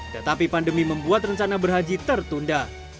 tetapi pandemi membuat rencana berhaji tertunda